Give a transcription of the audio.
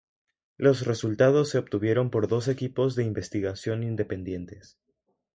Los resultados se obtuvieron por dos equipos de investigación independientes.